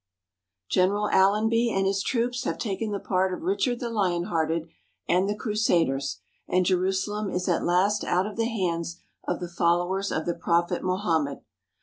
General Allenby and his troops have taken the part of Richard the Lion hearted and the Crusaders, and Jerusalem is at last out of the hands of the fol lowers of the Prophet Mohammed.